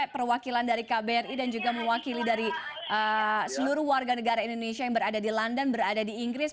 perwakilan dari kbri dan juga mewakili dari seluruh warga negara indonesia yang berada di london berada di inggris